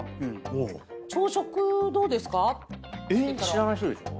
知らない人でしょ？